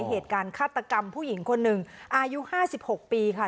เหตุการณ์ฆาตกรรมผู้หญิงคนหนึ่งอายุ๕๖ปีค่ะ